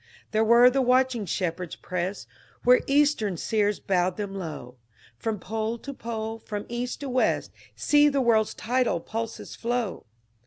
There where the watching shepherds pressed, Where Eastern seers bowed them low, — HYMN FOR A NEW ADVENT 371 From pole to pole, from east to west, See the world's tidal pulsei flow!